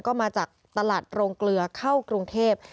ก็มาจากตลาดโรงเกลือเข้ากรุงเทพ